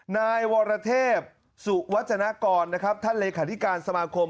นายวรเทพสุวัฒนากรนะครับท่านเลขาธิการสมาคม